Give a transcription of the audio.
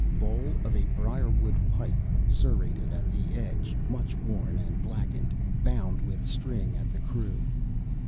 Bowl of a briarwood pipe, serrated at the edge; much worn and blackened; bound with string at the crew.